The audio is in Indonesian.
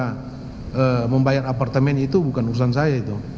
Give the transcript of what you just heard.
karena membayar apartemen itu bukan urusan saya itu